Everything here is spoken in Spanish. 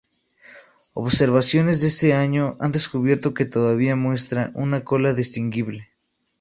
Observaciones de ese año han descubierto que todavía muestra una cola distinguible.